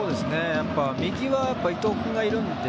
右は、伊東君がいるので。